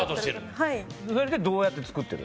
はいそれでどうやって作ってる？